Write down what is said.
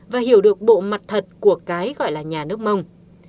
và hiểu được bộ mặt thật của cái gọi là nhà nước mông